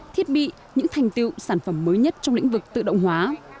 thiết bị những thành tiệu sản phẩm mới nhất trong lĩnh vực tự động hóa